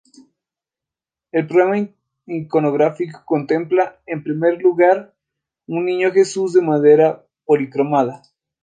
El programa iconográfico contempla, en primer lugar, un Niño Jesús de madera policromada.